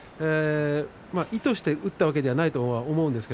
意図して打ったわけではないと思います。